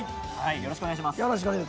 よろしくお願いします。